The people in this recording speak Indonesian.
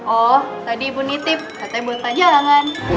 oh tadi ibu nitip katanya buat tanya alangan